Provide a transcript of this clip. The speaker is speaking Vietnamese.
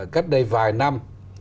cách đây vài năm